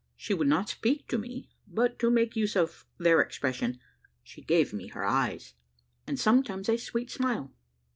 She would not speak to me, but, to make use of their expression, `she gave me her eyes,' and sometimes a sweet smile.